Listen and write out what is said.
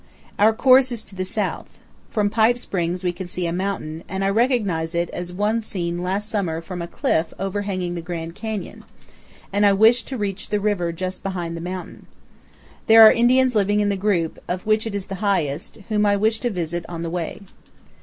Our course is to the south. From Pipe Spring we can see a mountain, and I recognize it as the one seen last summer from a cliff overlooking the Grand Canyon; and I wish to reach the river just behind the mountain. There are Indians living in the group, of which it is the highest, whom I wish to visit on the way.